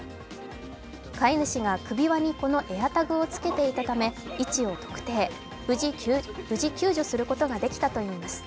飼い主が首輪にこのＡｉｒＴａｇをつけていたため位置を特定、無事、救助することができたといいます。